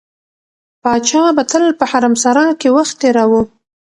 پاچا به تل په حرمسرا کې وخت تېراوه.